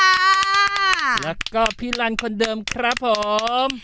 แล้วก็พี่ลันคนเดิมครับผม